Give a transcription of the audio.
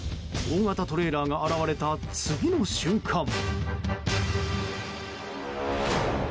大型トレーラーが現れた次の瞬間。